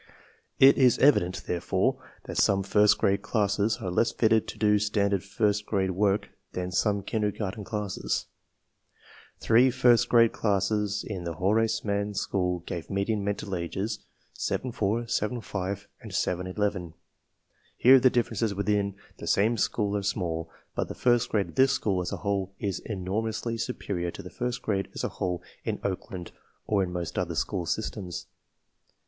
It is evident, therefore, that some first grade classes are less fitted to do standard first grade work than some kindergarten classes. Three first grade classes in the Horace Mann School gave median mental ages 7 4, 7 5, and 7 11. Here the differences within the same school are small, but the first grade of this school as a whole is enor mously superior to the first grade as a whole in Oakland or in most other school systems.